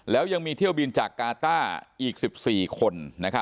แล้วยังมีเที่ยวบินจากกาต้าอีก๑๔คน